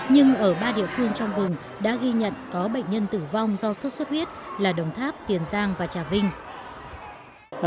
nhưng ở ba địa phương trong vùng đã ghi nhận có bệnh nhân tử vong do sốt xuất huyết là đồng tháp tiền giang và trà vinh